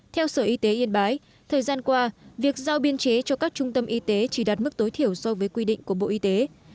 theo sở y tế yên bái thời gian qua việc giao biên chế cho các trung tâm y tế chỉ đạt mức tối thiểu so với quy định của bộ y tế